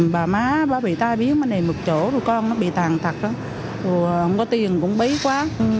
bà má bảo bị tai biến mà nề mực chỗ rồi con nó bị tàn thật rồi không có tiền cũng bấy quá